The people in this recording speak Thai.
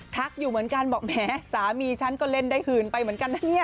อยู่เหมือนกันบอกแหมสามีฉันก็เล่นได้หื่นไปเหมือนกันนะเนี่ย